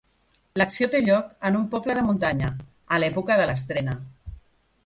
L'acció té lloc en un poble de muntanya, a l'època de l'estrena.